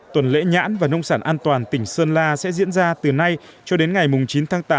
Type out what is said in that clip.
tuần lễ nhãn và nông sản an toàn tỉnh sơn la sẽ diễn ra từ nay cho đến ngày chín tháng tám